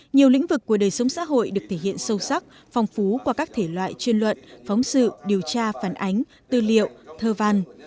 nhiều lĩnh vực của đời sống xã hội được thể hiện sâu sắc phong phú qua các thể loại chuyên luận phóng sự điều tra phản ánh tư liệu thơ văn